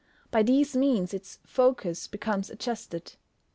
By these means its focus becomes adjusted.